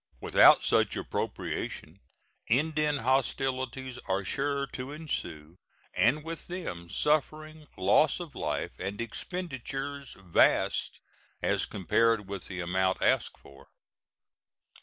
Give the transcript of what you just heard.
Without such appropriation Indian hostilities are sure to ensue, and with them suffering, loss of life, and expenditures vast as compared with the amount asked for.